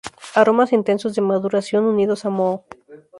Aromas intensos de maduración unidos a moho.